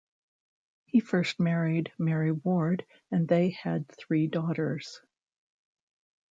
He first married Mary Ward and they had three daughters.